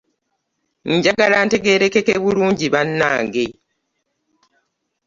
Njagala ntegeerekeke bulungi bannange.